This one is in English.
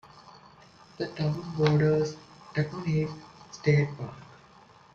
The town borders Taconic State Park.